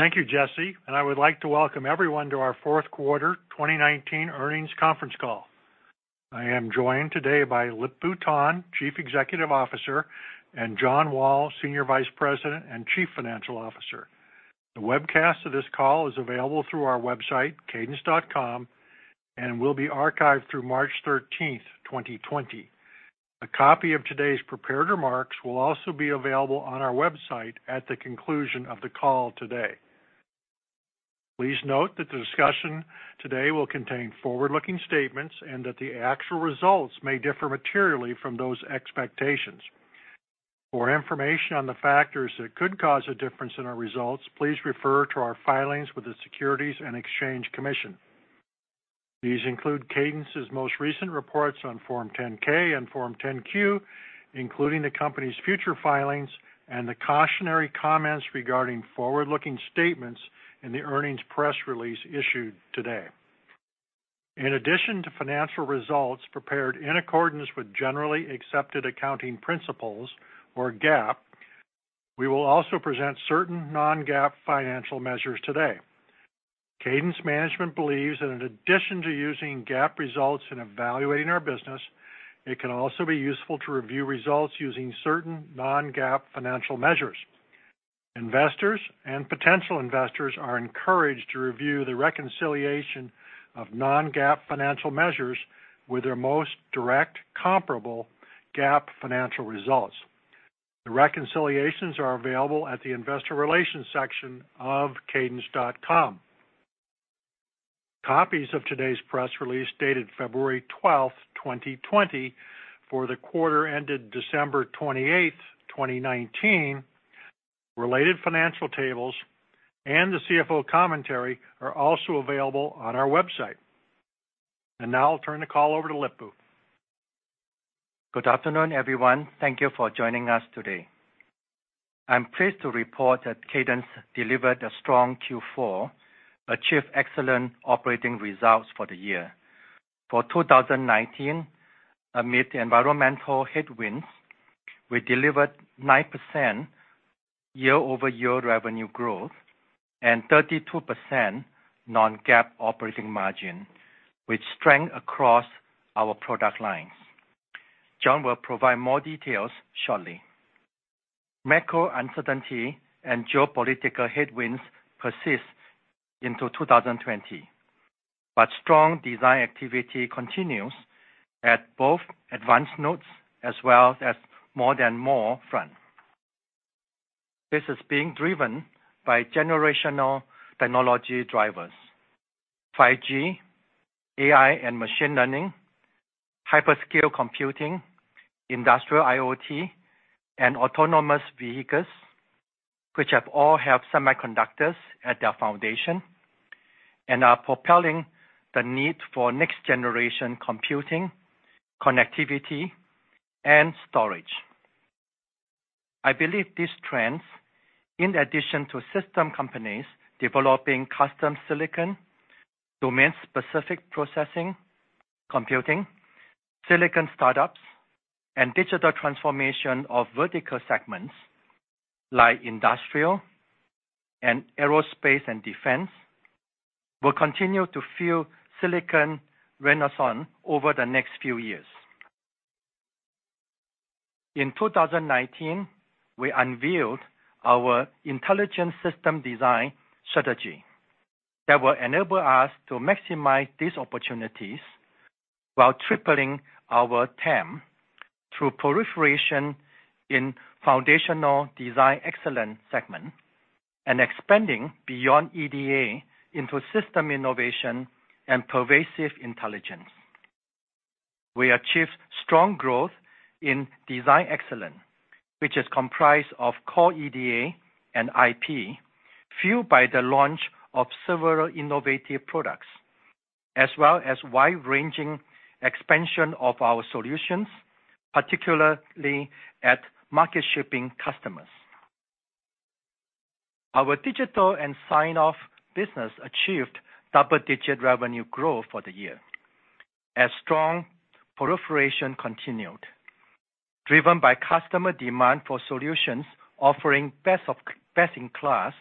Thank you, Jesse. I would like to welcome everyone to our fourth quarter 2019 earnings conference call. I am joined today by Lip-Bu Tan, Chief Executive Officer, and John Wall, Senior Vice President and Chief Financial Officer. The webcast of this call is available through our website, cadence.com, and will be archived through March 13th, 2020. A copy of today's prepared remarks will also be available on our website at the conclusion of the call today. Please note that the discussion today will contain forward-looking statements. The actual results may differ materially from those expectations. For information on the factors that could cause a difference in our results, please refer to our filings with the Securities and Exchange Commission. These include Cadence's most recent reports on Form 10-K and Form 10-Q, including the company's future filings, and the cautionary comments regarding forward-looking statements in the earnings press release issued today. In addition to financial results prepared in accordance with generally accepted accounting principles, or GAAP, we will also present certain non-GAAP financial measures today. Cadence management believes that in addition to using GAAP results in evaluating our business, it can also be useful to review results using certain non-GAAP financial measures. Investors and potential investors are encouraged to review the reconciliation of non-GAAP financial measures with their most direct comparable GAAP financial results. The reconciliations are available at the investor relations section of cadence.com. Copies of today's press release, dated February 12th, 2020, for the quarter ended December 28th, 2019, related financial tables, and the CFO commentary are also available on our website. Now I'll turn the call over to Lip-Bu. Good afternoon, everyone. Thank you for joining us today. I'm pleased to report that Cadence delivered a strong Q4, achieved excellent operating results for the year. For 2019, amid environmental headwinds, we delivered 9% year-over-year revenue growth and 32% non-GAAP operating margin, with strength across our product lines. John will provide more details shortly. Macro uncertainty and geopolitical headwinds persist into 2020, strong design activity continues at both advanced nodes as well as More than Moore front. This is being driven by generational technology drivers, 5G, AI and machine learning, hyperscale computing, industrial IoT, and autonomous vehicles, which all have semiconductors at their foundation and are propelling the need for next-generation computing, connectivity, and storage. I believe these trends, in addition to system companies developing custom silicon, domain-specific processing, computing, silicon startups, and digital transformation of vertical segments like industrial and aerospace and defense, will continue to fuel silicon renaissance over the next few years. In 2019, we unveiled our Intelligent System Design Strategy that will enable us to maximize these opportunities while tripling our TAM through proliferation in foundational Design Excellence segment and expanding beyond EDA into System Innovation and Pervasive Intelligence. We achieved strong growth in Design Excellence, which is comprised of core EDA and IP, fueled by the launch of several innovative products, as well as wide-ranging expansion of our solutions, particularly at market shipping customers. Our Digital and Sign-off business achieved double-digit revenue growth for the year as strong proliferation continued, driven by customer demand for solutions offering best in class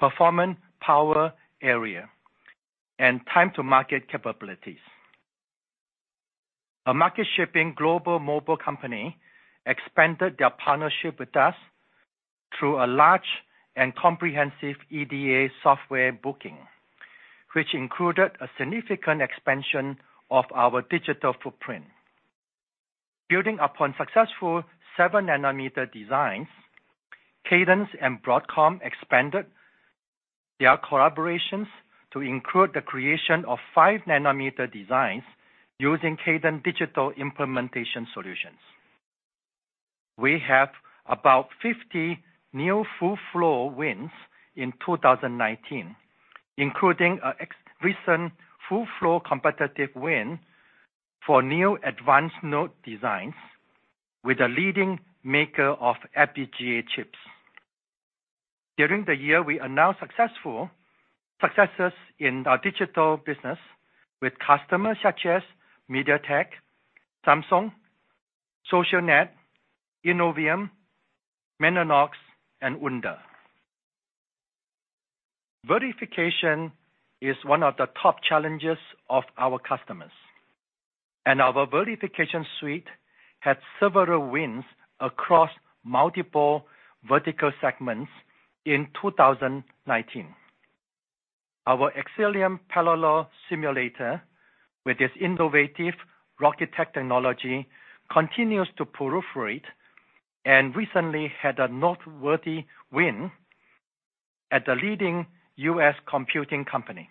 performance, power, area, and time to market capabilities. A market-shipping global mobile company expanded their partnership with us through a large and comprehensive EDA software booking, which included a significant expansion of our digital footprint. Building upon successful 7 nm designs, Cadence and Broadcom expanded their collaborations to include the creation of 5 nm designs using Cadence digital implementation solutions. We have about 50 new full-floor wins in 2019, including a recent full-floor competitive win for new advanced node designs with a leading maker of FPGA chips. During the year, we announced successes in our digital business with customers such as MediaTek, Samsung, Innovium, Mellanox, and Ondas. Verification is one of the top challenges of our customers. Our verification suite had several wins across multiple vertical segments in 2019. Our Xcelium parallel simulator, with its innovative Rocketick technology, continues to proliferate and recently had a noteworthy win at the leading U.S. computing company.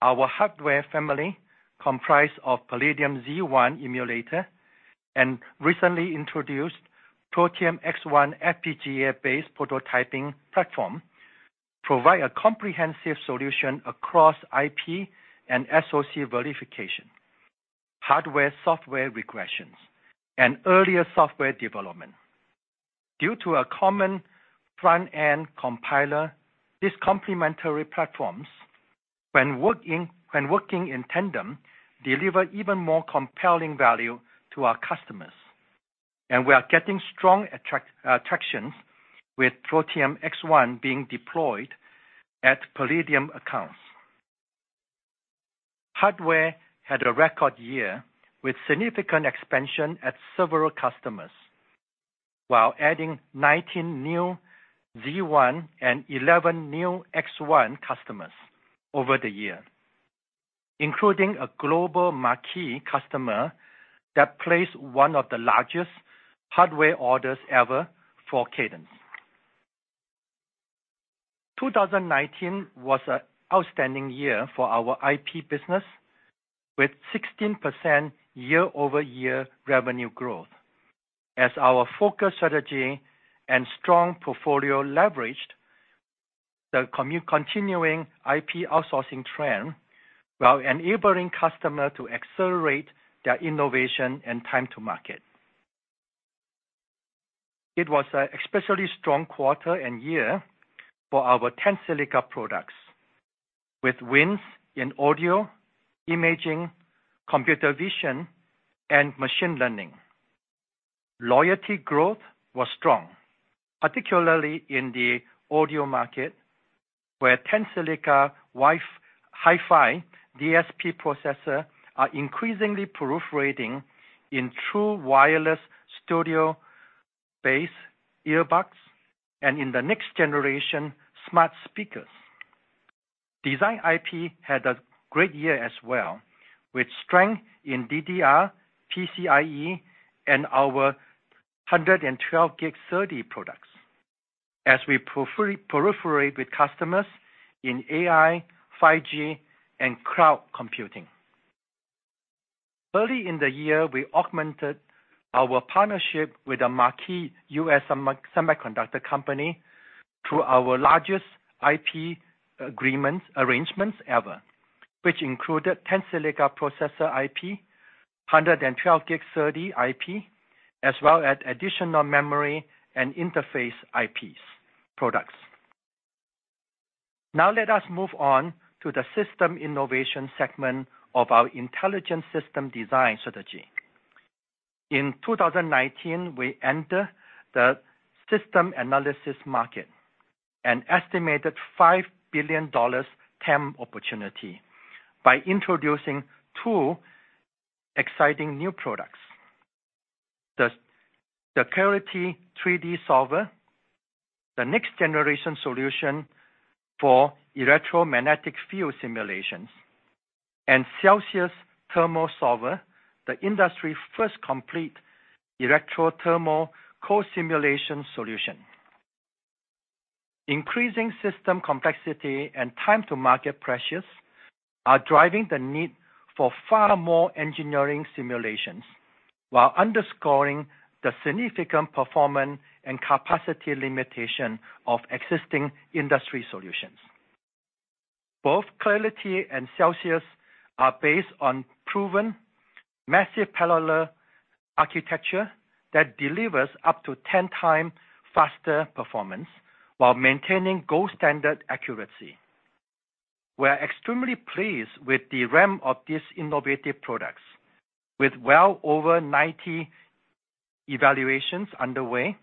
Our hardware family, comprised of Palladium Z1 emulator and recently introduced Protium X1 FPGA-based prototyping platform, provide a comprehensive solution across IP and SoC verification, hardware-software regressions, and earlier software development. Due to a common front-end compiler, these complementary platforms, when working in tandem, deliver even more compelling value to our customers. We are getting strong traction with Protium X1 being deployed at Palladium accounts. Hardware had a record year, with significant expansion at several customers, while adding 19 new Z1 and 11 new X1 customers over the year, including a global marquee customer that placed one of the largest hardware orders ever for Cadence. 2019 was an outstanding year for our IP business, with 16% year-over-year revenue growth as our focus strategy and strong portfolio leveraged the continuing IP outsourcing trend, while enabling customer to accelerate their innovation and time to market. It was an especially strong quarter and year for our Tensilica products, with wins in audio, imaging, computer vision, and machine learning. Loyalty growth was strong, particularly in the audio market, where Tensilica Hi-Fi DSP processors are increasingly proliferating in True Wireless Stereo based earbuds and in the next-generation smart speakers. Design IP had a great year as well, with strength in DDR, PCIe, and our 112G SerDes products as we proliferate with customers in AI, 5G, and cloud computing. Early in the year, we augmented our partnership with a marquee U.S. semiconductor company through our largest IP arrangements ever, which included Tensilica processor IP, 112G SerDes IP, as well as additional memory and interface IPs products. Let us move on to the system innovation segment of our intelligent system design strategy. In 2019, we enter the system analysis market, an estimated $5 billion TAM opportunity, by introducing two exciting new products. The Clarity 3D Solver, the next-generation solution for electromagnetic field simulations, and Celsius Thermal Solver, the industry's first complete electrical-thermal co-simulation solution. Increasing system complexity and time to market pressures are driving the need for far more engineering simulations while underscoring the significant performance and capacity limitation of existing industry solutions. Both Clarity and Celsius are based on proven massive parallel architecture that delivers up to 10 times faster performance while maintaining gold standard accuracy. We are extremely pleased with the ramp of these innovative products, with well over 90 evaluations underway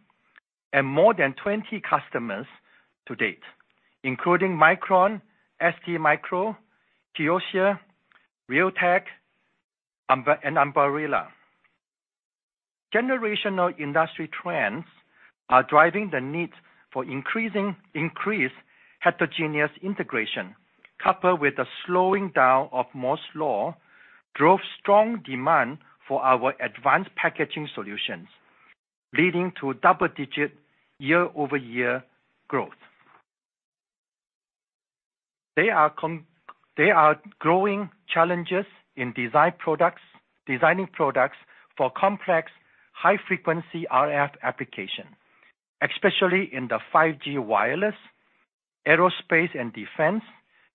and more than 20 customers to date, including Micron, STMicro, Kioxia, Realtek, and Ambarella. Generational industry trends are driving the need for increased heterogeneous integration, coupled with the slowing down of Moore's law, drove strong demand for our advanced packaging solutions, leading to double-digit year-over-year growth. There are growing challenges in designing products for complex high-frequency RF application, especially in the 5G wireless, aerospace and defense,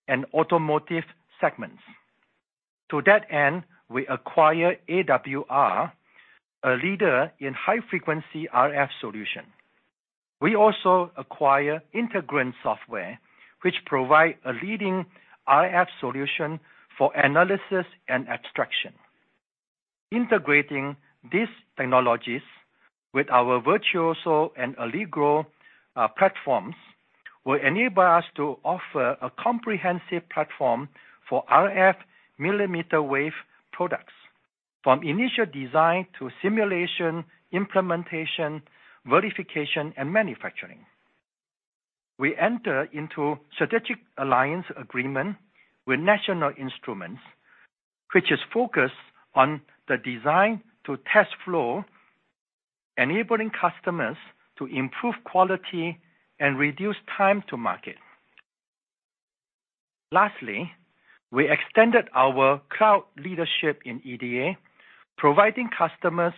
and automotive segments. To that end, we acquired AWR, a leader in high-frequency RF solution. We also acquire Integrand Software, which provide a leading RF solution for analysis and abstraction. Integrating these technologies with our Virtuoso and Allegro platforms will enable us to offer a comprehensive platform for RF millimeter wave products, from initial design to simulation, implementation, verification, and manufacturing. We enter into strategic alliance agreement with National Instruments, which is focused on the design to test flow, enabling customers to improve quality and reduce time to market. Lastly, we extended our cloud leadership in EDA, providing customers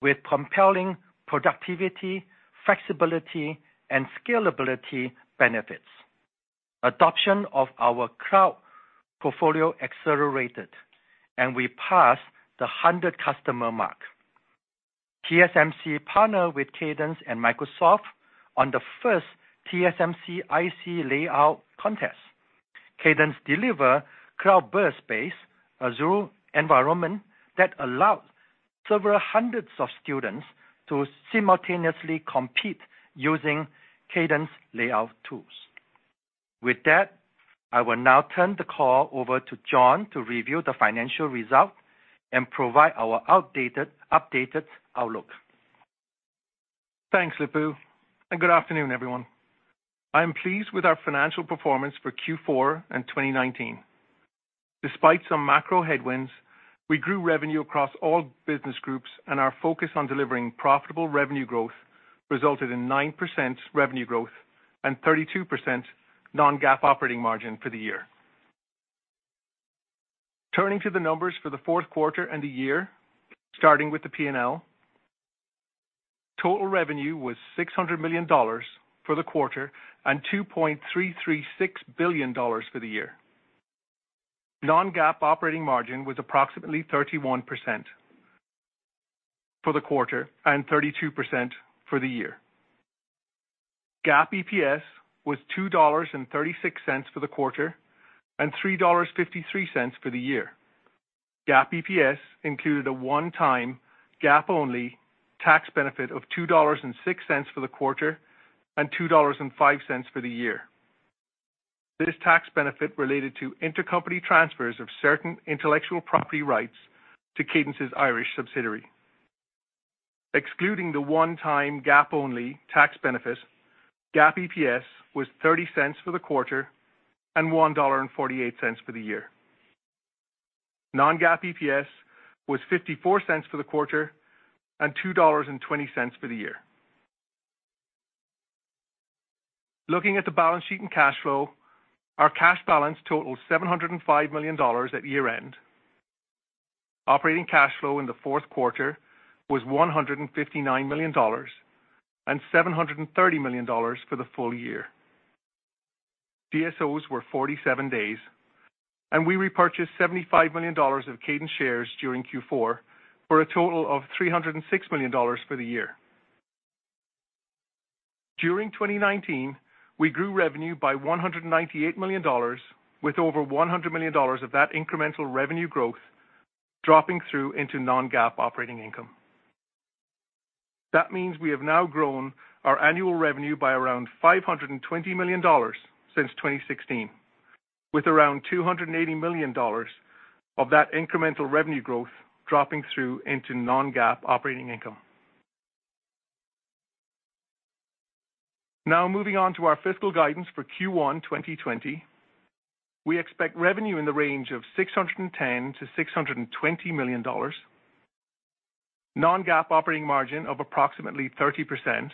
with compelling productivity, flexibility, and scalability benefits. Adoption of our cloud portfolio accelerated, and we passed the 100 customer mark. TSMC partner with Cadence and Microsoft on the first TSMC IC layout contest. Cadence deliver CloudBurst-based Azure environment that allowed several hundreds of students to simultaneously compete using Cadence layout tools. With that, I will now turn the call over to John to review the financial result and provide our updated outlook. Thanks, Lip-Bu, and good afternoon, everyone. I am pleased with our financial performance for Q4 and 2019. Despite some macro headwinds, we grew revenue across all business groups, and our focus on delivering profitable revenue growth resulted in 9% revenue growth and 32% non-GAAP operating margin for the year. Turning to the numbers for the fourth quarter and the year, starting with the P&L. Total revenue was $600 million for the quarter and $2.336 billion for the year. Non-GAAP operating margin was approximately 31% for the quarter and 32% for the year. GAAP EPS was $2.36 for the quarter and $3.53 for the year. GAAP EPS included a one-time, GAAP-only tax benefit of $2.06 for the quarter and $2.05 for the year. This tax benefit related to intercompany transfers of certain intellectual property rights to Cadence's Irish subsidiary. Excluding the one-time, GAAP-only tax benefit, GAAP EPS was $0.30 for the quarter and $1.48 for the year. Non-GAAP EPS was $0.54 for the quarter and $2.20 for the year. Looking at the balance sheet and cash flow, our cash balance totaled $705 million at year-end. Operating cash flow in the fourth quarter was $159 million and $730 million for the full year. DSOs were 47 days, and we repurchased $75 million of Cadence shares during Q4, for a total of $306 million for the year. During 2019, we grew revenue by $198 million, with over $100 million of that incremental revenue growth dropping through into non-GAAP operating income. That means we have now grown our annual revenue by around $520 million since 2016, with around $280 million of that incremental revenue growth dropping through into non-GAAP operating income. Now, moving on to our fiscal guidance for Q1 2020. We expect revenue in the range of $610 million-$620 million, non-GAAP operating margin of approximately 30%,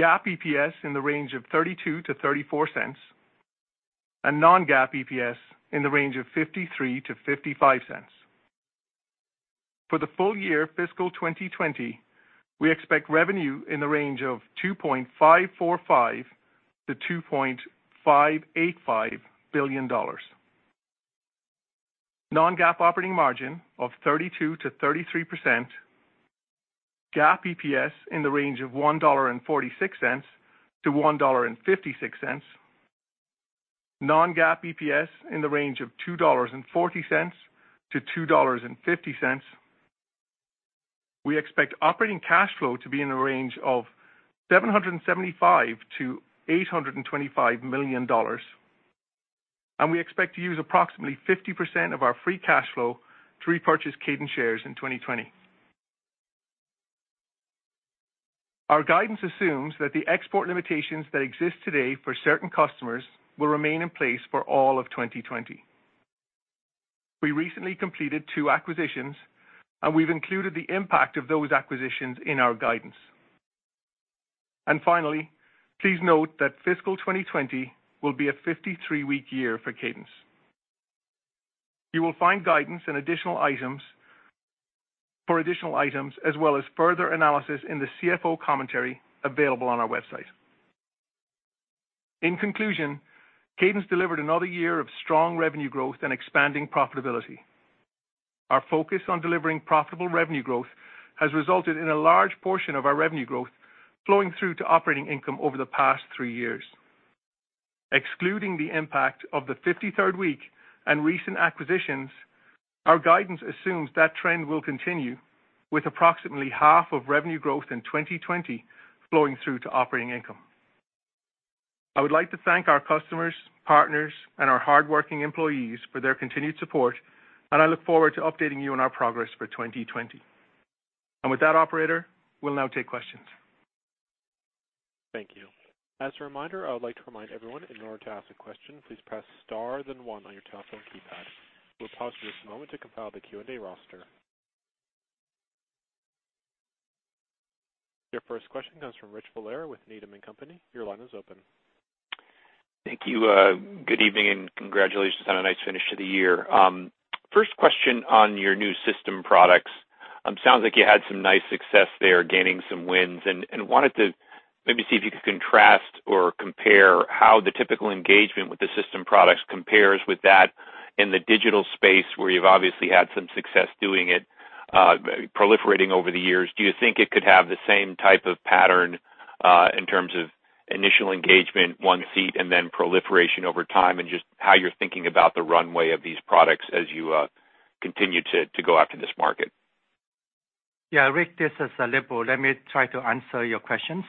GAAP EPS in the range of $0.32-$0.34, and non-GAAP EPS in the range of $0.53-$0.55. For the full year fiscal 2020, we expect revenue in the range of $2.545 billion-$2.585 billion, non-GAAP operating margin of 32%-33%, GAAP EPS in the range of $1.46-$1.56, non-GAAP EPS in the range of $2.40-$2.50. We expect operating cash flow to be in the range of $775 million-$825 million, and we expect to use approximately 50% of our free cash flow to repurchase Cadence shares in 2020. Our guidance assumes that the export limitations that exist today for certain customers will remain in place for all of 2020. We recently completed two acquisitions, we've included the impact of those acquisitions in our guidance. Finally, please note that fiscal 2020 will be a 53-week year for Cadence. You will find guidance for additional items as well as further analysis in the CFO commentary available on our website. In conclusion, Cadence delivered another year of strong revenue growth and expanding profitability. Our focus on delivering profitable revenue growth has resulted in a large portion of our revenue growth flowing through to operating income over the past three years. Excluding the impact of the 53rd week and recent acquisitions, our guidance assumes that trend will continue, with approximately half of revenue growth in 2020 flowing through to operating income. I would like to thank our customers, partners, and our hardworking employees for their continued support, and I look forward to updating you on our progress for 2020. With that, operator, we'll now take questions. Thank you. As a reminder, I would like to remind everyone, in order to ask a question, please press star then one on your telephone keypad. We'll pause for just a moment to compile the Q&A roster. Your first question comes from Rich Valera with Needham & Company. Your line is open. Thank you. Good evening. Congratulations on a nice finish to the year. First question on your new system products. Sounds like you had some nice success there, gaining some wins, and wanted to maybe see if you could contrast or compare how the typical engagement with the system products compares with that in the digital space where you've obviously had some success doing it, proliferating over the years. Do you think it could have the same type of pattern, in terms of initial engagement, one seat, and then proliferation over time, and just how you're thinking about the runway of these products as you continue to go after this market? Yeah. Rich, this is Lip-Bu. Let me try to answer your questions.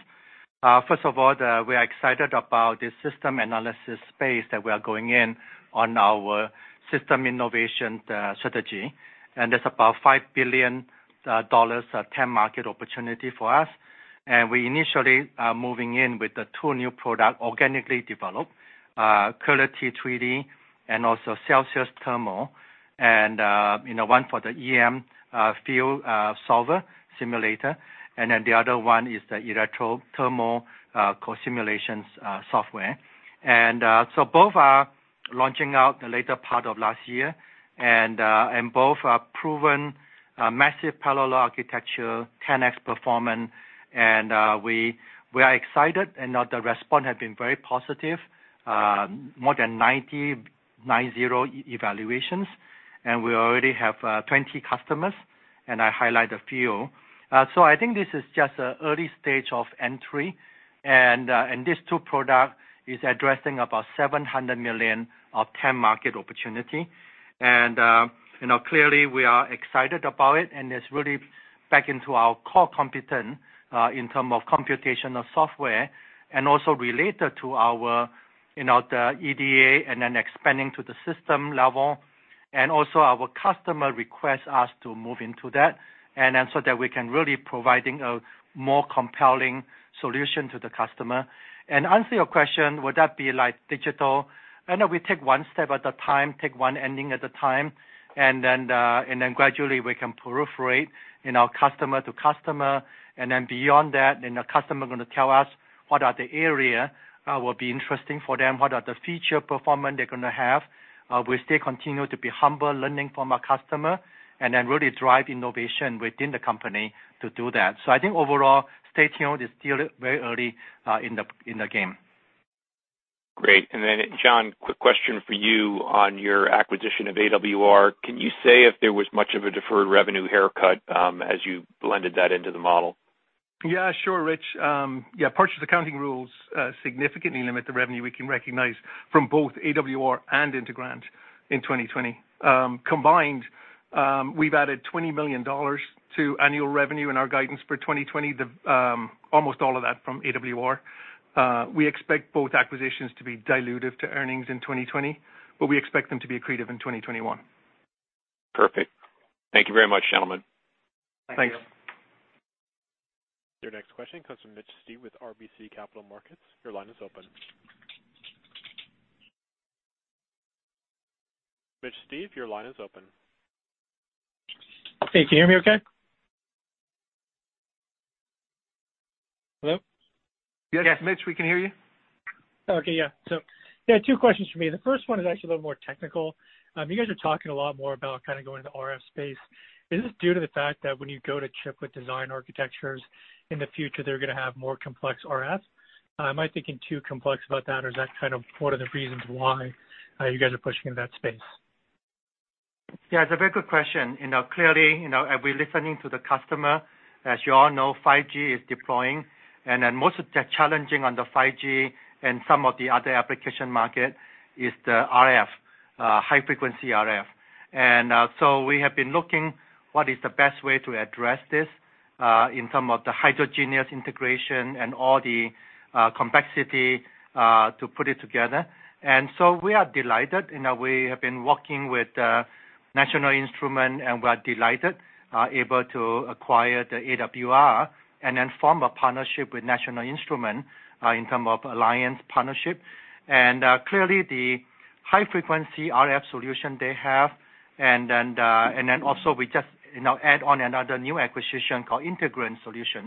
First of all, we are excited about the system analysis space that we are going in on our system innovation strategy. It's about $5 billion TAM market opportunity for us. We initially are moving in with the two new product organically developed, Clarity 3D and also Celsius Thermal. One for the EM field solver simulator, the other one is the electrothermal co-simulations software. Both are launching out the later part of last year. Both are proven massive parallel architecture, 10x performance. We are excited. The response has been very positive. More than 90 evaluations. We already have 20 customers. I highlight a few. I think this is just an early stage of entry, and these two product is addressing about $700 million of TAM market opportunity. Clearly, we are excited about it, and it's really back into our core competence in term of computational software and also related to our EDA and expanding to the system level. Also, our customer request us to move into that, so that we can really providing a more compelling solution to the customer. Answer your question, would that be like digital? I know we take one step at a time, take one inning at a time, gradually we can proliferate in our customer to customer. Beyond that, the customer going to tell us what are the area will be interesting for them, what are the future performance they're going to have. We still continue to be humble, learning from our customer and then really drive innovation within the company to do that. I think overall, stay tuned. It's still very early in the game. Great. John, quick question for you on your acquisition of AWR. Can you say if there was much of a deferred revenue haircut as you blended that into the model? Yeah, sure, Rich. Purchase accounting rules significantly limit the revenue we can recognize from both AWR and Integrand in 2020. Combined, we've added $20 million to annual revenue in our guidance for 2020, almost all of that from AWR. We expect both acquisitions to be dilutive to earnings in 2020, but we expect them to be accretive in 2021. Perfect. Thank you very much, gentlemen. Thank you. Thanks. Your next question comes from Mitch Steves with RBC Capital Markets. Your line is open. Mitch Steves, your line is open. Hey, can you hear me okay? Hello? Yes, Mitch, we can hear you. Okay, yeah. Yeah, two questions from me. The first one is actually a little more technical. You guys are talking a lot more about kind of going into RF space. Is this due to the fact that when you go to chiplet design architectures, in the future, they're going to have more complex RFs? Am I thinking too complex about that, or is that kind of one of the reasons why you guys are pushing in that space? Yeah, it's a very good question. Clearly, we're listening to the customer. As you all know, 5G is deploying, and then most of the challenging on the 5G and some of the other application market is the RF, high-frequency RF. We have been looking what is the best way to address this in terms of the heterogeneous integration and all the complexity to put it together. We are delighted. We have been working with National Instruments, and we are delighted, able to acquire the AWR and then form a partnership with National Instruments in terms of alliance partnership. Clearly, the high-frequency RF solution they have, and then also we just now add on another new acquisition called Integrand Software.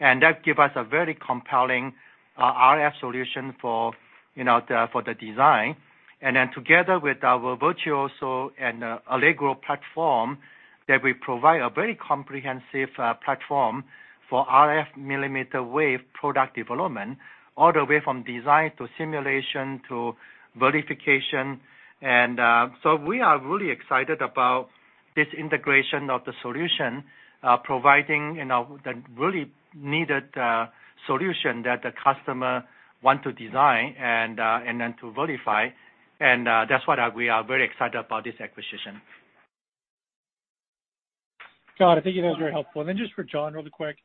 That give us a very compelling RF solution for the design. Together with our Virtuoso and Allegro platform, that we provide a very comprehensive platform for RF millimeter wave product development, all the way from design to simulation to verification. We are really excited about this integration of the solution, providing the really needed solution that the customer want to design and then to verify. That's why we are very excited about this acquisition. John, I think that was very helpful. Just for John, really quick,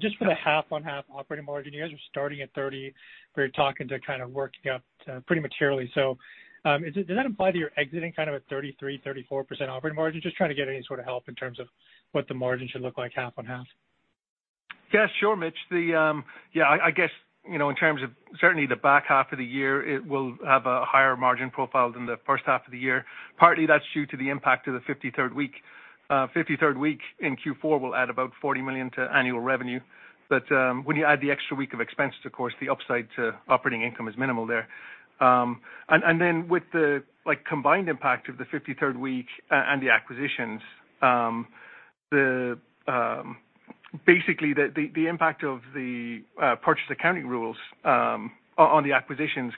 just for the half-on-half operating margin, you guys are starting at 30%, where you're talking to kind of working up pretty materially. Does that imply that you're exiting kind of at 33%, 34% operating margin? Just trying to get any sort of help in terms of what the margin should look like half-on-half. Yes, sure, Mitch. I guess, in terms of certainly the back half of the year, it will have a higher margin profile than the first half of the year. Partly that's due to the impact of the 53rd week. 53rd week in Q4 will add about $40 million to annual revenue. When you add the extra week of expenses, of course, the upside to operating income is minimal there. Then with the combined impact of the 53rd week and the acquisitions, basically the impact of the purchase accounting rules on the acquisitions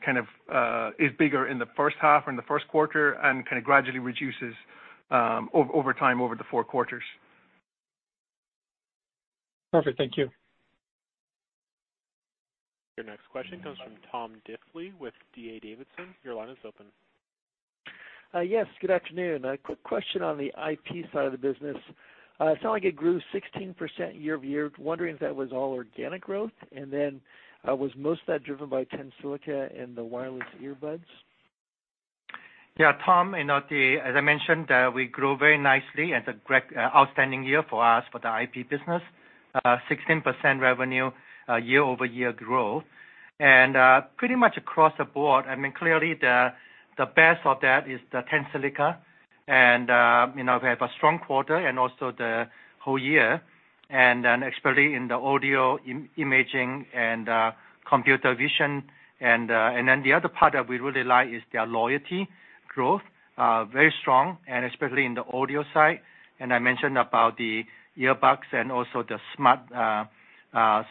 is bigger in the first half or in the first quarter and gradually reduces over time over the four quarters. Perfect. Thank you. Your next question comes from Tom Diffely with D.A. Davidson. Your line is open. Yes, good afternoon. A quick question on the IP side of the business. It sound like it grew 16% year-over-year. Was most of that driven by Tensilica and the wireless earbuds? Yeah, Tom, as I mentioned, we grew very nicely. It's a great outstanding year for us for the IP business. 16% revenue year-over-year growth and pretty much across the board. Clearly, the best of that is the Tensilica, and we have a strong quarter and also the whole year, and then especially in the audio, imaging, and computer vision. The other part that we really like is their loyalty growth, very strong and especially in the audio side. I mentioned about the earbuds and also the smart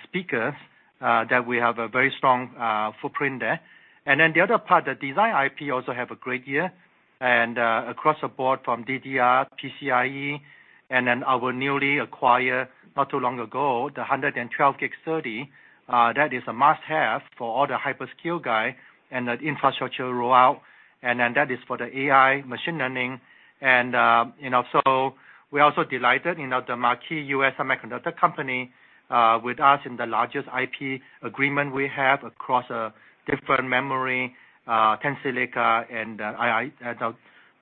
speakers, that we have a very strong footprint there. The other part, the design IP also have a great year and across the board from DDR, PCIe, and then our newly acquired, not too long ago, the 112G SerDes. That is a must-have for all the hyperscale guy and the infrastructure rollout. That is for the AI machine learning. We're also delighted, the marquee U.S. semiconductor company with us in the largest IP agreement we have across different memory, Tensilica, and the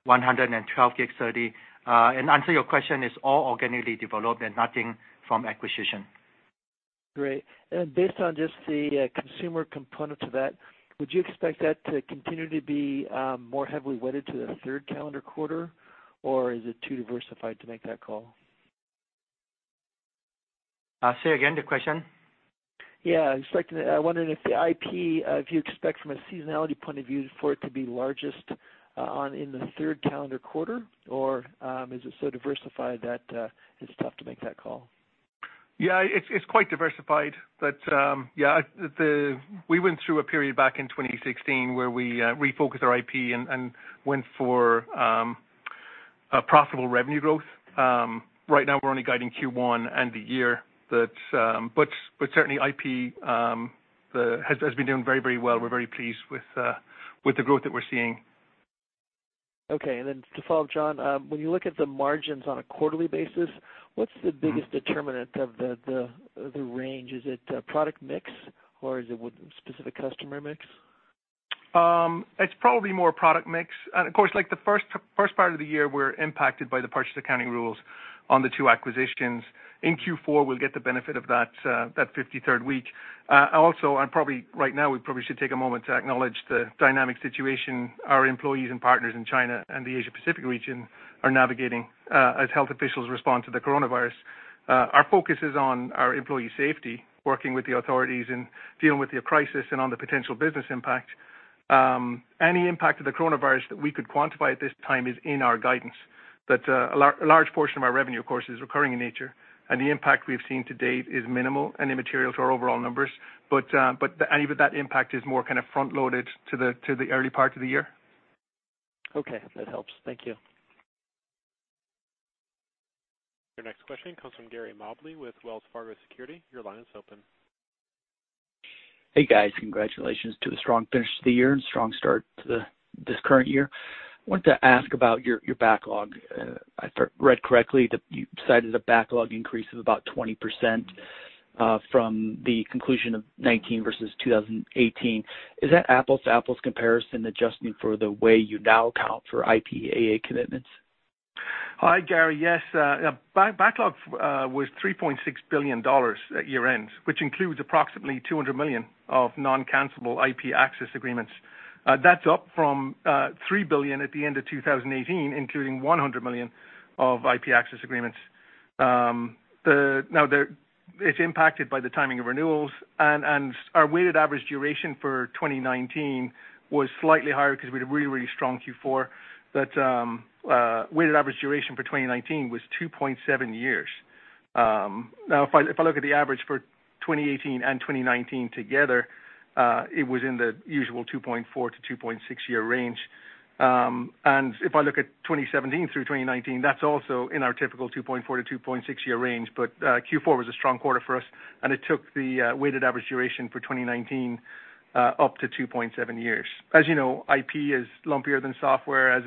112G SerDes. Answer your question, it's all organically developed and nothing from acquisition. Great. Based on just the consumer component to that, would you expect that to continue to be more heavily weighted to the third calendar quarter, or is it too diversified to make that call? Say again the question. Yeah, I was wondering if the IP, if you expect from a seasonality point of view for it to be largest in the third calendar quarter, or is it so diversified that it's tough to make that call? Yeah, it's quite diversified. We went through a period back in 2016 where we refocused our IP and went for profitable revenue growth. Right now we're only guiding Q1 and the year. Certainly IP has been doing very well. We're very pleased with the growth that we're seeing. Okay. Then to follow up, John, when you look at the margins on a quarterly basis, what's the biggest determinant of the range? Is it product mix or is it specific customer mix? It's probably more product mix. Of course, like the first part of the year, we're impacted by the purchase accounting rules on the two acquisitions. In Q4, we'll get the benefit of that 53rd week. Also, right now we probably should take a moment to acknowledge the dynamic situation our employees and partners in China and the Asia Pacific region are navigating as health officials respond to the coronavirus. Our focus is on our employee safety, working with the authorities in dealing with the crisis and on the potential business impact. Any impact of the coronavirus that we could quantify at this time is in our guidance. A large portion of our revenue, of course, is recurring in nature, and the impact we've seen to date is minimal and immaterial to our overall numbers. Any of that impact is more kind of front-loaded to the early part of the year. Okay, that helps. Thank you. Your next question comes from Gary Mobley with Wells Fargo Securities. Your line is open. Hey, guys. Congratulations to a strong finish to the year and strong start to this current year. I wanted to ask about your backlog. If I read correctly, you cited a backlog increase of about 20% from the conclusion of 2019 versus 2018. Is that apples to apples comparison, adjusting for the way you now account for IPAA commitments? Hi, Gary. Yes. Backlog was $3.6 billion at year-end, which includes approximately $200 million of non-cancelable IP access agreements. That's up from $3 billion at the end of 2018, including $100 million of IP access agreements. It's impacted by the timing of renewals, and our weighted average duration for 2019 was slightly higher because we had a really strong Q4. Weighted average duration for 2019 was 2.7 years. If I look at the average for 2018 and 2019 together, it was in the usual 2.4-2.6 year range. If I look at 2017 through 2019, that's also in our typical 2.4-2.6 year range. Q4 was a strong quarter for us, and it took the weighted average duration for 2019 up to 2.7 years. As you know, IP is lumpier than software, as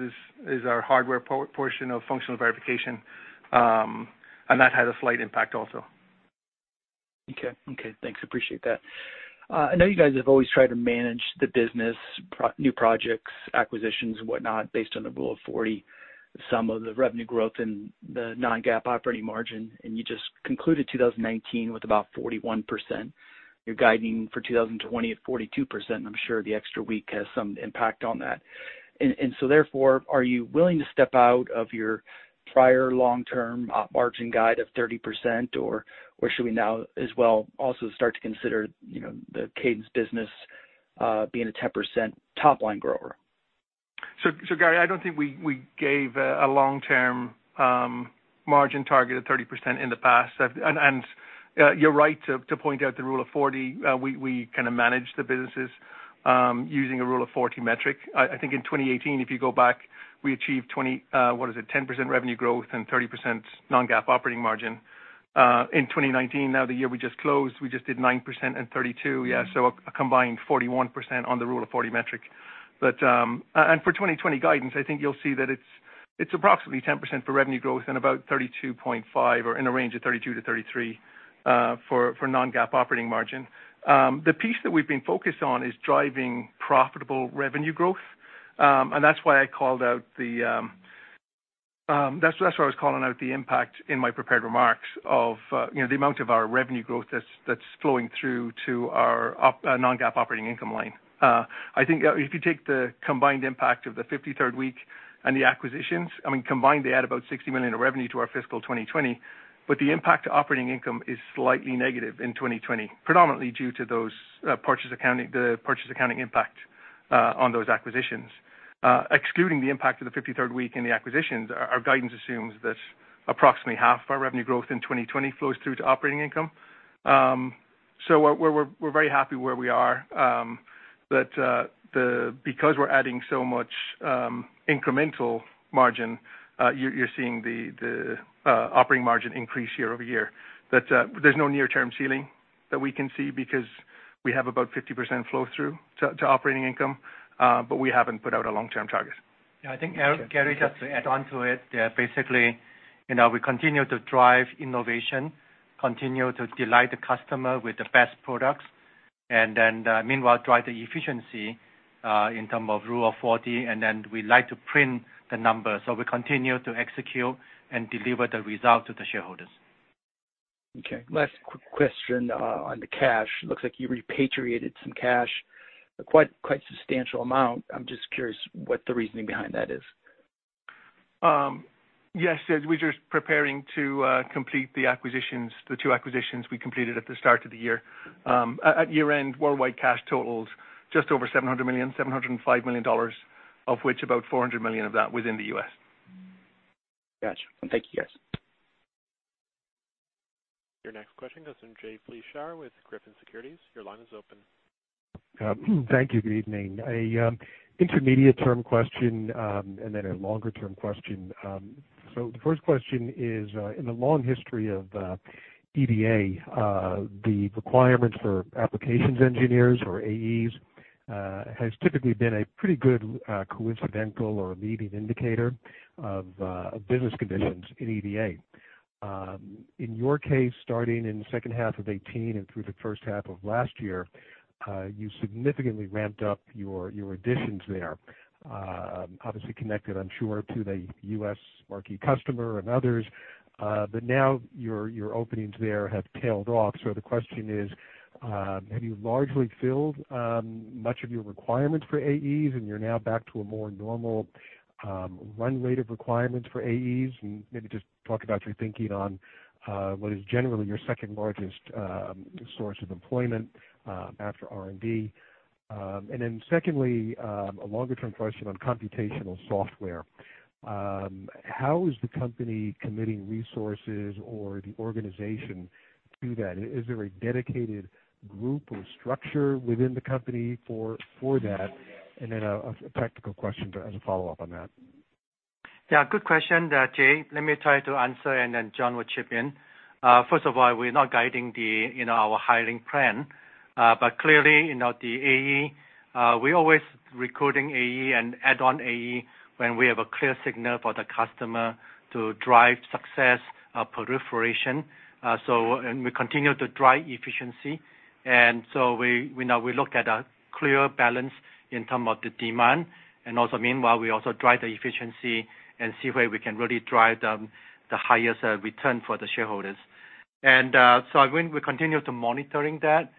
is our hardware portion of functional verification. That had a slight impact also. Okay, thanks. Appreciate that. I know you guys have always tried to manage the business, new projects, acquisitions, whatnot, based on the rule of 40, the sum of the revenue growth and the non-GAAP operating margin. You just concluded 2019 with about 41%. You're guiding for 2020 at 42%, and I'm sure the extra week has some impact on that. Therefore, are you willing to step out of your prior long-term op margin guide of 30%? Should we now as well also start to consider the Cadence business being a 10% top-line grower? Gary, I don't think we gave a long-term margin target of 30% in the past. You're right to point out the rule of 40. We kind of manage the businesses using a rule of 40 metric. I think in 2018, if you go back, we achieved what is it? 10% revenue growth and 30% non-GAAP operating margin. In 2019, now the year we just closed, we just did 9% and 32%. A combined 41% on the rule of 40 metric. For 2020 guidance, I think you'll see that it's approximately 10% for revenue growth and about 32.5% or in a range of 32%-33% for non-GAAP operating margin. The piece that we've been focused on is driving profitable revenue growth, and that's why I was calling out the impact in my prepared remarks of the amount of our revenue growth that's flowing through to our non-GAAP operating income line. If you take the combined impact of the 53rd week and the acquisitions, I mean, combined, they add about $60 million of revenue to our fiscal 2020. The impact to operating income is slightly negative in 2020, predominantly due to the purchase accounting impact on those acquisitions. Excluding the impact of the 53rd week and the acquisitions, our guidance assumes that approximately half our revenue growth in 2020 flows through to operating income. We're very happy where we are. Because we're adding so much incremental margin, you're seeing the operating margin increase year-over-year. There's no near-term ceiling that we can see because we have about 50% flow-through to operating income, but we haven't put out a long-term target. Yeah, I think, Gary, just to add on to it, basically, we continue to drive innovation, continue to delight the customer with the best products, and then meanwhile drive the efficiency in terms of rule of 40, and then we like to print the numbers. We continue to execute and deliver the result to the shareholders. Okay. Last quick question on the cash. Looks like you repatriated some cash, a quite substantial amount. I'm just curious what the reasoning behind that is. Yes. We're just preparing to complete the two acquisitions we completed at the start of the year. At year-end, worldwide cash totaled just over $700 million, $705 million, of which about $400 million of that was in the U.S. Got you. Thank you, guys. Your next question comes from Jay Vleeschhouwer with Griffin Securities. Your line is open. Thank you. Good evening. An intermediate term question, and then a longer-term question. The first question is, in the long history of EDA, the requirements for applications engineers or AEs has typically been a pretty good coincidental or leading indicator of business conditions in EDA. In your case, starting in the second half of 2018 and through the first half of last year, you significantly ramped up your additions there. Obviously connected, I am sure, to the U.S. marquee customer and others. Now your openings there have tailed off. The question is, have you largely filled much of your requirements for AEs and you're now back to a more normal run rate of requirements for AEs? Maybe just talk about your thinking on what is generally your second-largest source of employment after R&D. Secondly, a longer-term question on computational software. How is the company committing resources or the organization to that? Is there a dedicated group or structure within the company for that? Then a practical question as a follow-up on that. Yeah, good question, Jay. Let me try to answer, and then John will chip in. First of all, we're not guiding our hiring plan. Clearly, the AE, we're always recruiting AE and add-on AE when we have a clear signal for the customer to drive success proliferation. We continue to drive efficiency. Now we look at a clear balance in terms of the demand, and also meanwhile, we also drive the efficiency and see where we can really drive the highest return for the shareholders. We continue monitoring that,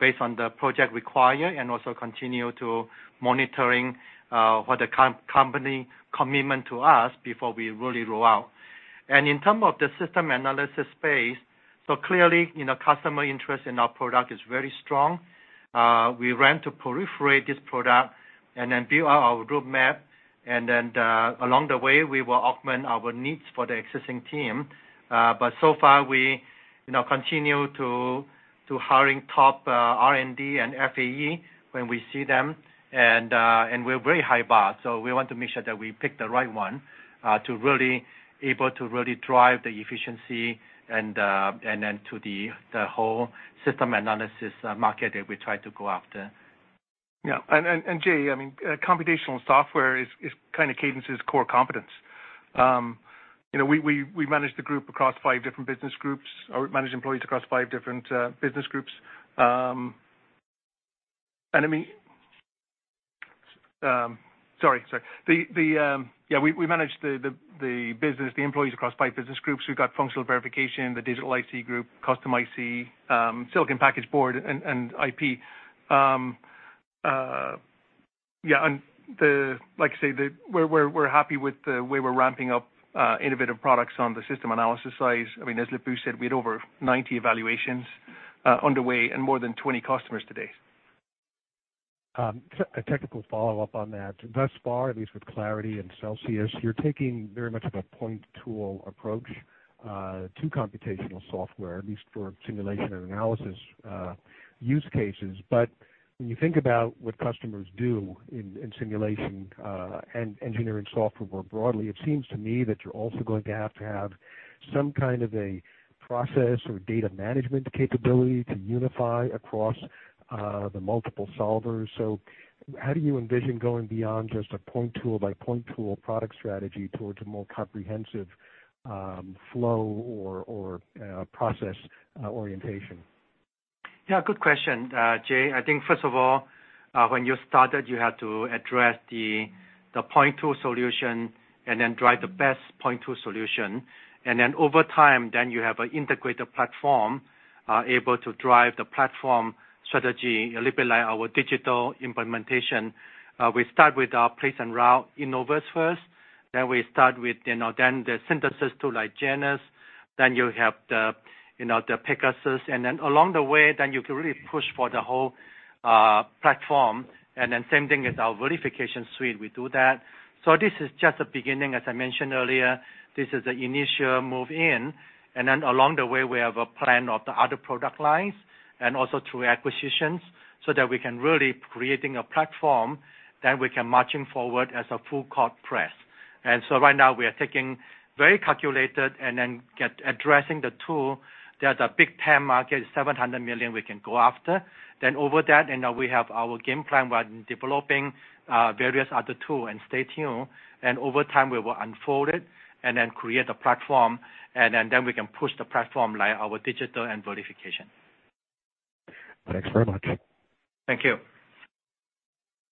based on the project required and also continue monitoring what the company commitment to us before we really roll out. In terms of the system analysis space. Clearly, customer interest in our product is very strong. We ran to proliferate this product and then build out our roadmap, and then along the way, we will augment our needs for the existing team. So far, we continue to hiring top R&D and FAE when we see them, and we're very high bar, so we want to make sure that we pick the right one to really able to really drive the efficiency and then to the whole system analysis market that we try to go after. Yeah. Jay, computational software is kind of Cadence's core competence. We manage the group across five different business groups, or manage employees across five different business groups. Sorry. Yeah, we manage the business, the employees across five business groups. We've got functional verification, the digital IC group, custom IC, silicon package board, and IP. Yeah, like I say, we're happy with the way we're ramping up innovative products on the system analysis side. As Lip-Bu said, we had over 90 evaluations underway and more than 20 customers to date. A technical follow-up on that. Thus far, at least with Clarity and Celsius, you're taking very much of a point tool approach to computational software, at least for simulation and analysis use cases. When you think about what customers do in simulation and engineering software more broadly, it seems to me that you're also going to have to have some kind of a process or data management capability to unify across the multiple solvers. How do you envision going beyond just a point tool by point tool product strategy towards a more comprehensive flow or process orientation? Yeah, good question, Jay. I think first of all, when you started, you had to address the point tool solution and then drive the best point tool solution. Over time, then you have an integrated platform able to drive the platform strategy a little bit like our digital implementation. We start with our place and route Innovus first, then we start with then the synthesis tool like Genus, then you have the Pegasus. Along the way, then you can really push for the whole platform. Same thing with our verification suite, we do that. This is just the beginning, as I mentioned earlier. This is the initial move in, and then along the way, we have a plan of the other product lines, and also through acquisitions, so that we can really creating a platform, then we can marching forward as a full court press. Right now we are taking very calculated and then addressing the tool that a big TAM market is $700 million we can go after. Over that, and now we have our game plan while developing various other tool and stay tuned, and over time we will unfold it and then create a platform, and then we can push the platform like our Digital and Verification. Thanks very much. Thank you.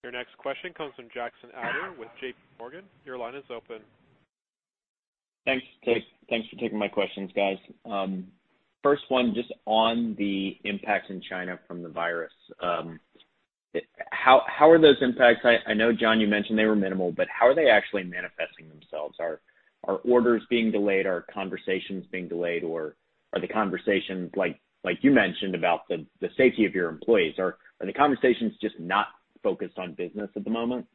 Your next question comes from Jackson Ader with JPMorgan. Your line is open. Thanks for taking my questions, guys. First one, just on the impacts in China from the virus. How are those impacts, I know, John, you mentioned they were minimal, but how are they actually manifesting themselves? Are orders being delayed? Are conversations being delayed? Are the conversations like you mentioned about the safety of your employees, are the conversations just not focused on business at the moment?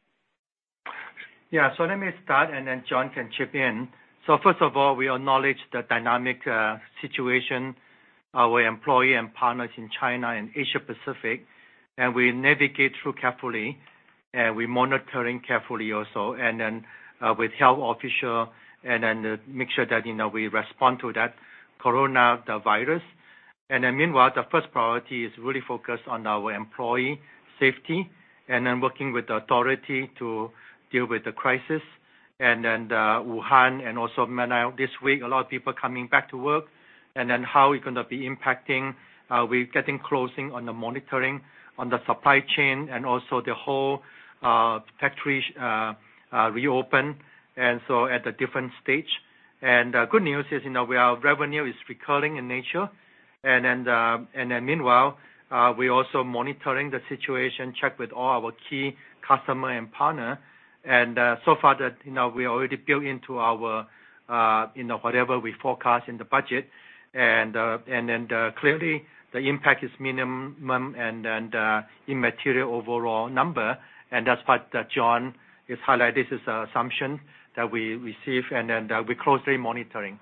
Let me start and then John can chip in. First of all, we acknowledge the dynamic situation our employee and partners in China and Asia Pacific, and we navigate through carefully, and we monitoring carefully also. With health official and then make sure that we respond to that coronavirus. Meanwhile, the first priority is really focused on our employee safety and then working with the authority to deal with the crisis and then Wuhan and also Manila this week, a lot of people coming back to work and then how we're going to be impacting. We getting closing on the monitoring on the supply chain and also the whole factory reopen and so at a different stage. Good news is our revenue is recurring in nature. Meanwhile, we also monitoring the situation, check with all our key customer and partner, and so far that we already built into our whatever we forecast in the budget. Clearly the impact is minimum and immaterial overall number, and that's what John is highlighted as assumption that we receive and then we're closely monitoring.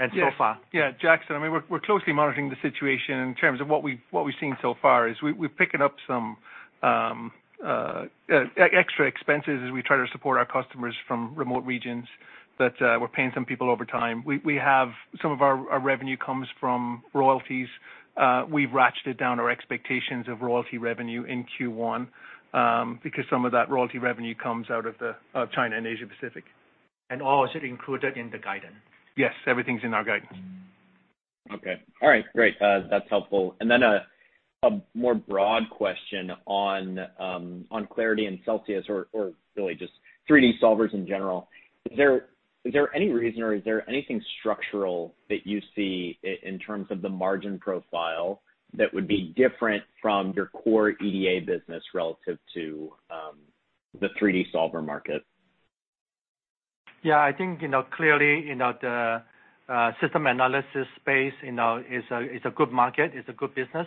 So far. Yeah, Jackson, we're closely monitoring the situation in terms of what we've seen so far is we're picking up some extra expenses as we try to support our customers from remote regions, that we're paying some people over time. We have some of our revenue comes from royalties. We've ratcheted down our expectations of royalty revenue in Q1, because some of that royalty revenue comes out of China and Asia Pacific. All is included in the guidance. Yes, everything's in our guidance. Okay. All right. Great. That's helpful. A more broad question on Clarity and Celsius or really just 3D solvers in general. Is there any reason or is there anything structural that you see in terms of the margin profile that would be different from your core EDA business relative to the 3D solver market? Yeah, I think, clearly, the system analysis space is a good market. It's a good business.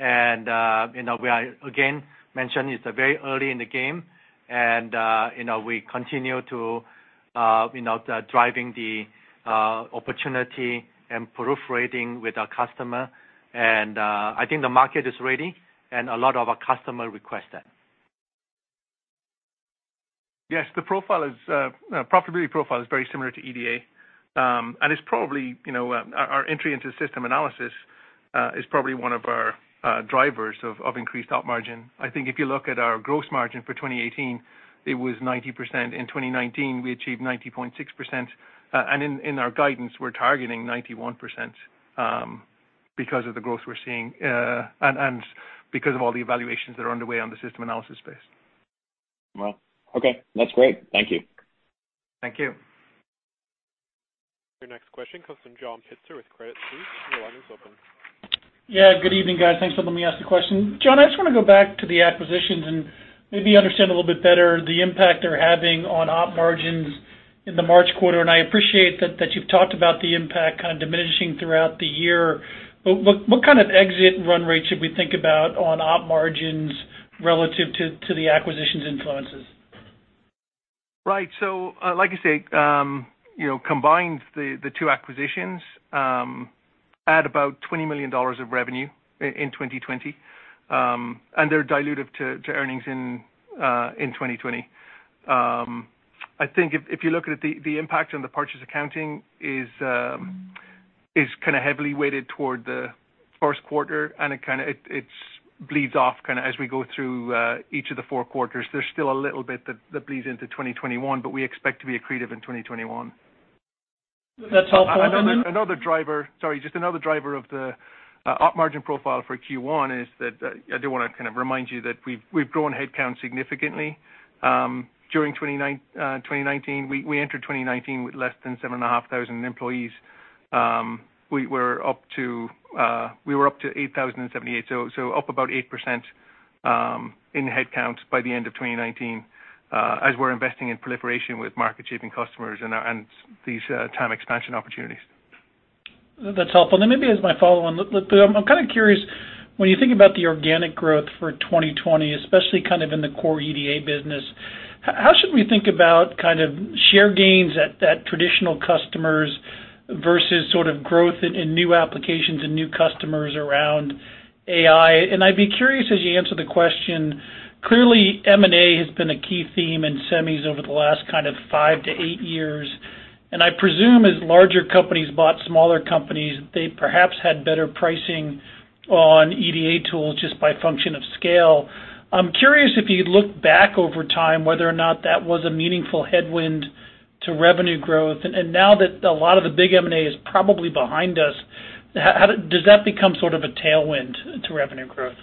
We are, again, mention it's very early in the game, and we continue to driving the opportunity and proliferating with our customer. I think the market is ready, and a lot of our customer request that. Yes, the profitability profile is very similar to EDA. Our entry into system analysis is probably one of our drivers of increased op margin. I think if you look at our gross margin for 2018, it was 90%. In 2019, we achieved 90.6%. In our guidance, we're targeting 91% because of the growth we're seeing and because of all the evaluations that are underway on the system analysis space. Well, okay. That's great. Thank you. Thank you. Your next question comes from John Pitzer with Credit Suisse. Your line is open. Yeah, good evening, guys. Thanks for letting me ask the question. John, I just want to go back to the acquisitions and maybe understand a little bit better the impact they're having on op margins in the March quarter. I appreciate that you've talked about the impact kind of diminishing throughout the year. What kind of exit run rate should we think about on op margins relative to the acquisitions' influences? Right. Like you say, combined, the two acquisitions add about $20 million of revenue in 2020. They're dilutive to earnings in 2020. I think if you look at the impact on the purchase accounting is kind of heavily weighted toward the first quarter, and it bleeds off kind of as we go through each of the four quarters. There's still a little bit that bleeds into 2021, but we expect to be accretive in 2021. That's helpful. Another driver of the op margin profile for Q1 is that I do want to kind of remind you that we've grown headcount significantly during 2019. We entered 2019 with less than 7,500 employees. We were up to 8,078, so up about 8% in headcount by the end of 2019 as we're investing in proliferation with market-shaping customers and these TAM expansion opportunities. That's helpful. Then maybe as my follow-on, I'm kind of curious, when you think about the organic growth for 2020, especially kind of in the core EDA business, how should we think about kind of share gains at traditional customers versus sort of growth in new applications and new customers around AI? I'd be curious as you answer the question, clearly M&A has been a key theme in semis over the last kind of five to eight years, and I presume as larger companies bought smaller companies, they perhaps had better pricing on EDA tools just by function of scale. I'm curious if you look back over time, whether or not that was a meaningful headwind to revenue growth. Now that a lot of the big M&A is probably behind us, does that become sort of a tailwind to revenue growth?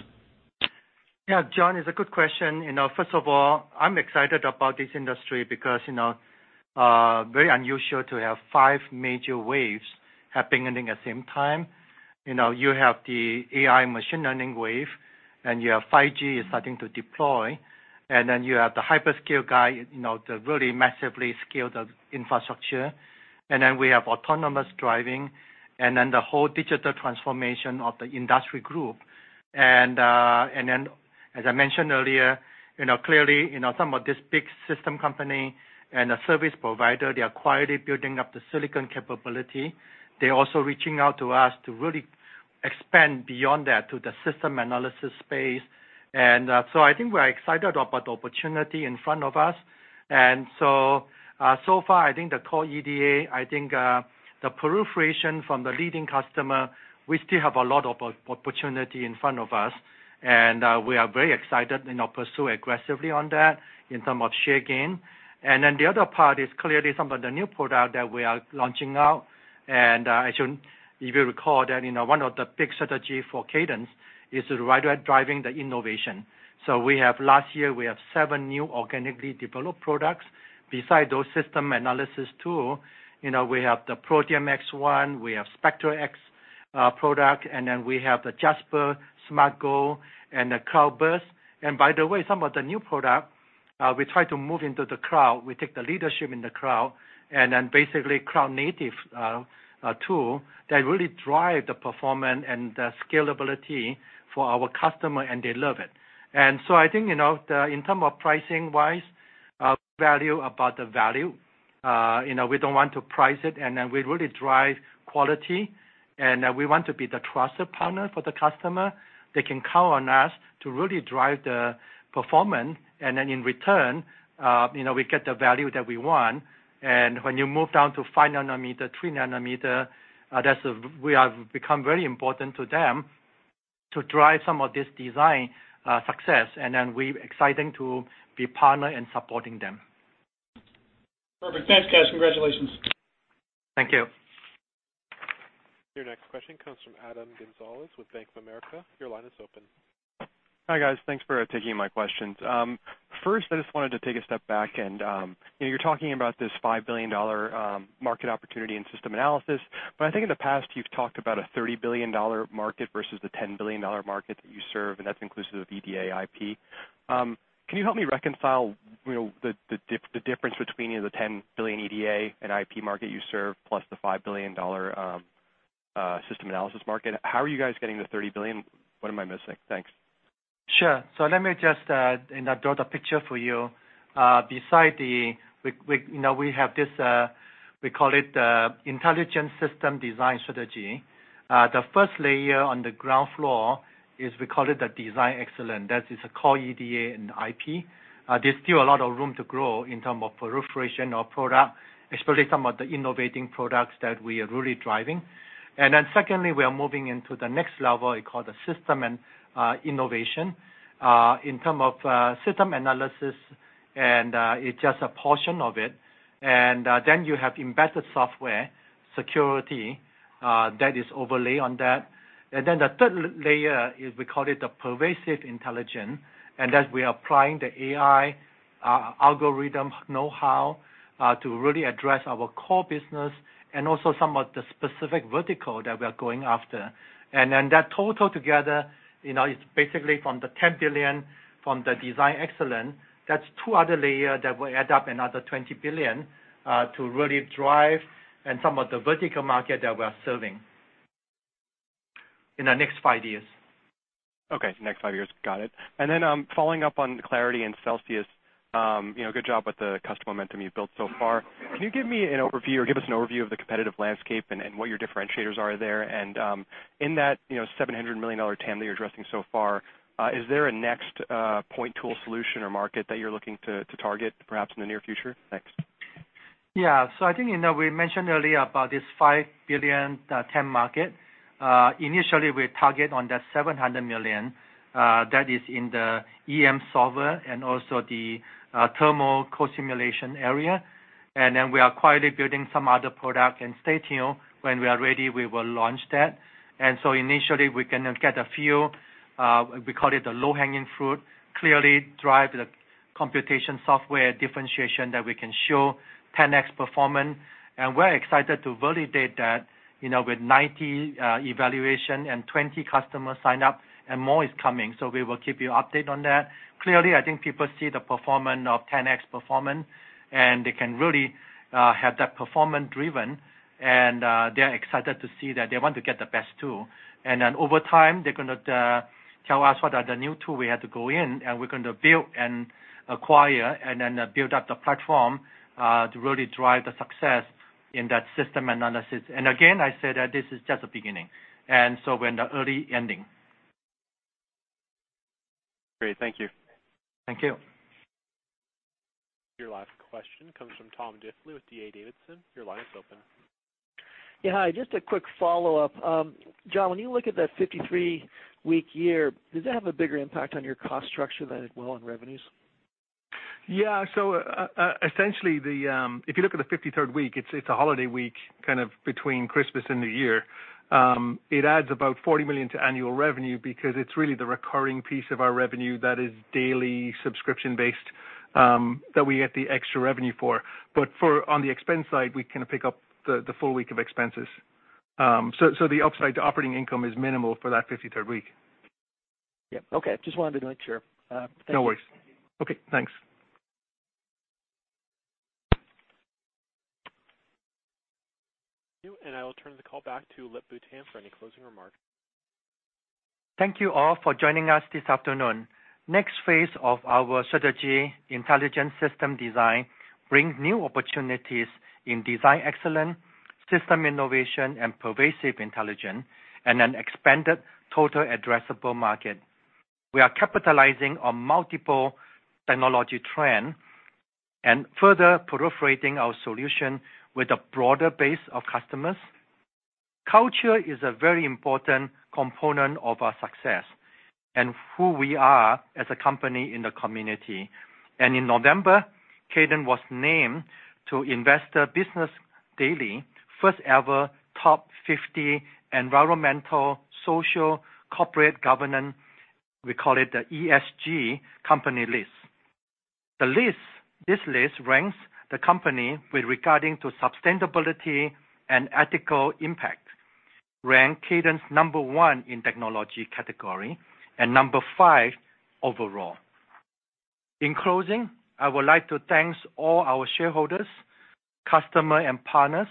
John, it's a good question. First of all, I'm excited about this industry because very unusual to have five major waves happening at the same time. You have the AI machine learning wave, you have 5G is starting to deploy, you have the hyperscale guy, the really massively scaled infrastructure. We have autonomous driving, the whole digital transformation of the industry group. As I mentioned earlier, clearly, some of this big system company and a service provider, they are quietly building up the silicon capability. They're also reaching out to us to really expand beyond that to the system analysis space. I think we're excited about the opportunity in front of us. So far, I think the core EDA, I think the proliferation from the leading customer, we still have a lot of opportunity in front of us. We are very excited and pursue aggressively on that in terms of share gain. The other part is clearly some of the new products that we are launching now. If you recall that one of the big strategies for Cadence is right away driving the innovation. Last year, we have seven new organically developed products. Besides those system analysis tools, we have the Protium X1, we have Spectre X product, and then we have the JasperGold and the CloudBurst. By the way, some of the new products, we try to move into the cloud. We take the leadership in the cloud. Basically cloud native tool that really drive the performance and the scalability for our customer, and they love it. I think, in term of pricing-wise, value about the value. We don't want to price it. We really drive quality, and we want to be the trusted partner for the customer. They can count on us to really drive the performance. In return, we get the value that we want. When you move down to 5 nm, 3 nm, we have become very important to them to drive some of this design success. We exciting to be partner in supporting them. Perfect. Thanks, guys. Congratulations. Thank you. Your next question comes from Adam Gonzalez with Bank of America. Your line is open. Hi, guys. Thanks for taking my questions. First, I just wanted to take a step back and, you're talking about this $5 billion market opportunity in system analysis, but I think in the past, you've talked about a $30 billion market versus the $10 billion market that you serve, and that's inclusive of EDA IP. Can you help me reconcile the difference between the $10 billion EDA and IP market you serve, plus the $5 billion system analysis market? How are you guys getting the $30 billion? What am I missing? Thanks. Sure. Let me just draw the picture for you. We have this, we call it the intelligence system design strategy. The first layer on the ground floor is we call it the design excellence. That is a core EDA and IP. There's still a lot of room to grow in terms of proliferation of product, especially some of the innovating products that we are really driving. Secondly, we are moving into the next level, we call the system and innovation, in terms of system analysis, and it's just a portion of it. You have embedded software security that is overlay on that. The third layer is, we call it the pervasive intelligence, and that we are applying the AI algorithm know-how to really address our core business and also some of the specific vertical that we are going after. That total together, it's basically from the $10 billion from the design excellence, that's two other layer that will add up another $20 billion to really drive in some of the vertical market that we are serving in the next five years. Okay, next five years. Got it. Following up on Clarity and Celsius, good job with the customer momentum you've built so far. Can you give me an overview or give us an overview of the competitive landscape and what your differentiators are there? In that $700 million TAM that you're addressing so far, is there a next point tool solution or market that you're looking to target perhaps in the near future? Thanks. I think we mentioned earlier about this $5 billion TAM market. Initially, we target on that $700 million. That is in the EM solver and also the thermal co-simulation area. We are quietly building some other product, and stay tuned. When we are ready, we will launch that. Initially, we can get a few, we call it the low-hanging fruit, clearly drive the computation software differentiation that we can show 10X performance. We're excited to validate that with 90 evaluation and 20 customers signed up, and more is coming. We will keep you updated on that. Clearly, I think people see the performance of 10X performance, and they can really have that performance driven, and they are excited to see that. They want to get the best tool. Over time, they're going to tell us what are the new tool we have to go in, and we're going to build and acquire and then build up the platform to really drive the success in that system analysis. Again, I say that this is just the beginning, so we're in the early innings. Great. Thank you. Thank you. Your last question comes from Tom Diffely with D.A. Davidson. Your line is open. Yeah, hi. Just a quick follow-up. John, when you look at that 53-week year, does that have a bigger impact on your cost structure than it will on revenues? Yeah. Essentially, if you look at the 53rd week, it's a holiday week, kind of between Christmas and New Year. It adds about $40 million to annual revenue because it's really the recurring piece of our revenue that is daily subscription-based that we get the extra revenue for. On the expense side, we kind of pick up the full week of expenses. The upside to operating income is minimal for that 53rd week. Yeah. Okay. Just wanted to make sure. Thank you. No worries. Okay, thanks. Thank you, and I will turn the call back to Lip-Bu Tan for any closing remarks. Thank you all for joining us this afternoon. Next phase of our strategy, intelligent system design, brings new opportunities in design excellence, system innovation, and pervasive intelligence, an expanded total addressable market. We are capitalizing on multiple technology trends and further proliferating our solution with a broader base of customers. Culture is a very important component of our success and who we are as a company in the community. In November, Cadence was named to Investor's Business Daily first ever Top 50 Environmental, Social, Corporate Governance, we call it the ESG, company list. This list ranks the company with regarding to sustainability and ethical impact, rank Cadence number one in technology category and number five overall. In closing, I would like to thank all our shareholders, customer and partners,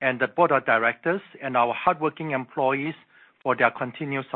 and the board of directors and our hardworking employees for their continuous